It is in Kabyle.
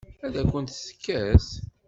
Ad akent-tt-tekkes?